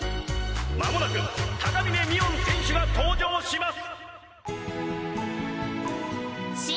まもなく高峰みおん選手が登場します！